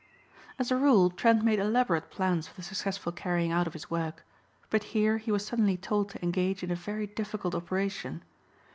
As a rule Trent made elaborate plans for the successful carrying out of his work. But here he was suddenly told to engage in a very difficult operation.